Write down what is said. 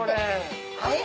はい。